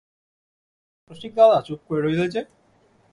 রসিকদাদা, চুপ করে রইলে যে!